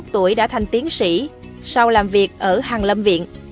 ba mươi một tuổi đã thành tiến sĩ sau làm việc ở hàng lâm viện